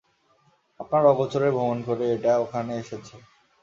আপনার অগোচরে ভ্রমণ করে এটা এখানে এসেছে!